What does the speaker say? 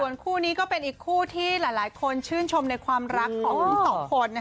ส่วนคู่นี้เป็นอีกคู่ที่ที่หลายคนชื่นชมในความรักของ๒คน